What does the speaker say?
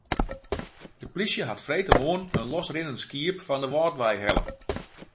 De plysje hat freedtemoarn in losrinnend skiep fan de Wâldwei helle.